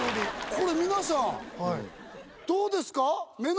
これ皆さんどうですか？